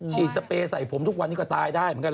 สเปรย์ใส่ผมทุกวันนี้ก็ตายได้เหมือนกัน